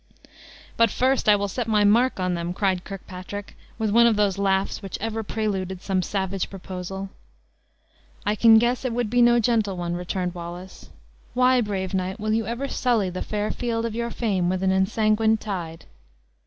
"But first I will set my mark on them!" cried Kirkpatrick, with one of those laughs which ever preluded some savage proposal. "I can guess it would be no gentle one," returned Wallace. "Why, brave knight, will you ever sully the fair field of your fame with an ensanguined tide?"